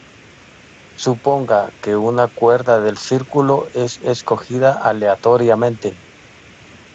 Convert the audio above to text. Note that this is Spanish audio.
Suponga que una cuerda del círculo es escogida aleatoriamente.